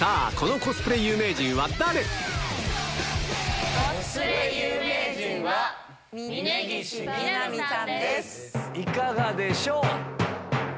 コスプレ有名人は、いかがでしょう。